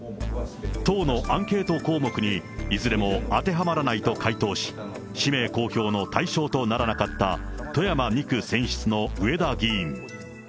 党のアンケート項目に、いずれも当てはまらないと回答し、氏名公表の対象とならなかった富山２区選出の上田議員。